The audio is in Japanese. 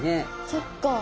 そっか。